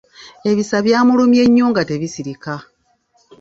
Ebisa byamulumye nnyo nga tebisirika.